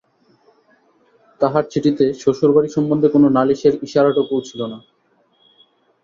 তাহার চিঠিতে শ্বশুরবাড়ি সম্বন্ধে কোনো নালিশের ইশারাটুকুও ছিল না।